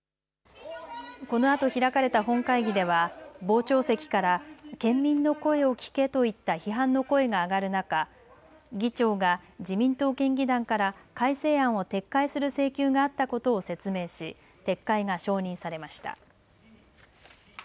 このあと開かれた本会議では傍聴席から県民の声を聴けといった批判の声が上がる中、議長が自民党県議団から改正案を撤回する請求があったことを説明し撤回が承認されました。